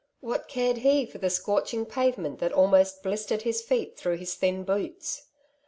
What cared he for the scorching pavement that almost blistered his feet through his thin boots?